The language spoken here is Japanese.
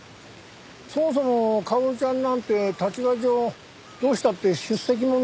そもそも薫ちゃんなんて立場上どうしたって出席もんでしょ？